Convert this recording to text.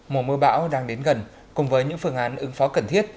mùa mưa bão đang đến gần cùng với những phương án ứng phó cần thiết